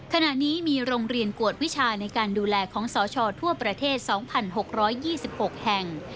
ขณะนี้มีโรงเรียนกวดวิชาในการดูแลของสชทั่วประเทศ๒๖๒๖แห่ง